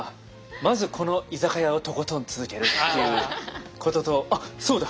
まずこの居酒屋をとことん続けるっていうこととあっそうだ！